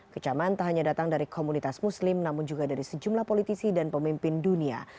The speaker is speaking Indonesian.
kecaman tak hanya datang dari komunitas muslim namun juga dari sejumlah politisi dan pemimpin dunia